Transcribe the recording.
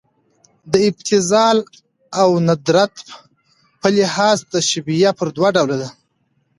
د ابتذال او ندرت په لحاظ تشبیه پر دوه ډوله ده.